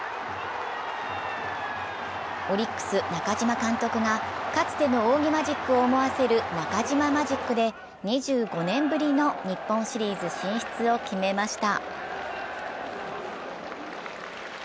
オリックス・中嶋監督がかつての仰木マジックを思わせる中嶋マジックで２５年ぶりの日本シリーズ進出を決めました。